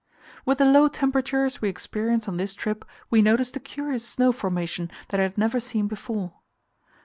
With the low temperatures we experienced on this trip, we noticed a curious snow formation that I had never seen before.